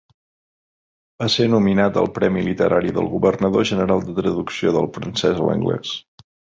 Va ser nominat al Premi literari del Governador General de traducció del francès a l'anglès.